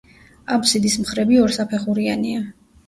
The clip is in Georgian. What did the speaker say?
აბსიდის მხრები ორსაფეხურიანია.